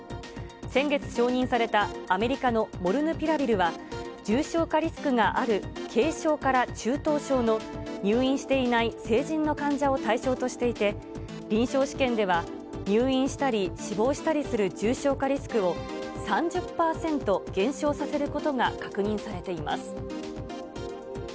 先月承認されたアメリカのモルヌピラビルは重症化リスクがある軽症から中等症の入院していない成人の患者を対象としていて、臨床試験では入院したり死亡したりする重症化リスクを３０％減少させることが確認されています。